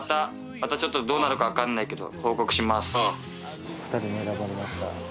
またちょっとどうなるか分かんないけど。